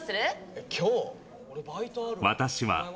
えっ今日？